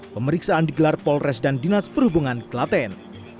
pemeriksaan digelar polres dan dinas perhubungan klaten